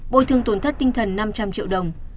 bồi thương tổn thất tinh thần năm trăm linh triệu đồng